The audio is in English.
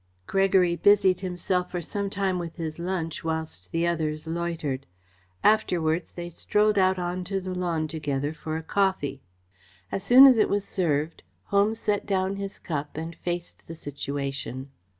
Gregory busied himself for some time with his lunch, whilst the others loitered. Afterwards they strolled out on to the lawn together for coffee. As soon as it was served, Holmes set down his cup and faced the situation.